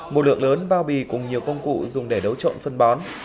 một lượng lớn bao bì cùng nhiều công cụ dùng để đấu trộn phân bón